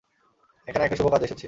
এখানে একটা শুভ কাজে এসেছি।